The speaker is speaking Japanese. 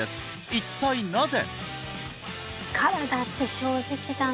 一体なぜ！？